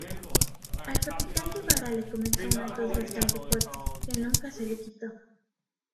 Al capitán Guevara le comenzó una tos bastante fuerte, que nunca se le quitó.